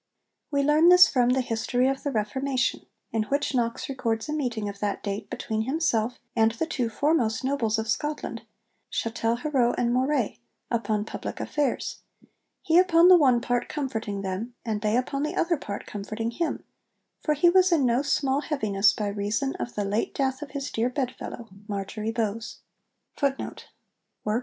We learn this from the 'History of the Reformation,' in which Knox records a meeting of that date between himself and the two foremost nobles of Scotland, Chatelherault and Moray, upon public affairs, 'he upon the one part comforting them, and they upon the other part comforting him, for he was in no small heaviness by reason of the late death of his dear bedfellow, Marjorie Bowes.'